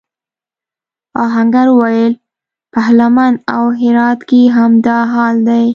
آهنګر وویل پهلمند او هرات کې هم دا حال دی.